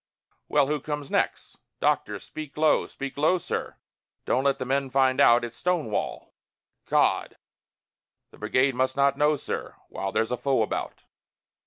"Well, who comes next?" "Doctor, speak low, speak low, sir; Don't let the men find out! It's Stonewall!" "God!" "The brigade must not know, sir, While there's a foe about!"